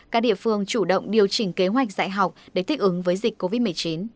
các địa phương chủ động điều chỉnh kế hoạch dạy học để thích ứng với dịch covid một mươi chín